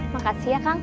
makasih ya kang